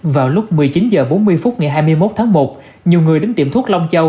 vào lúc một mươi chín h bốn mươi phút ngày hai mươi một tháng một nhiều người đến tiệm thuốc long châu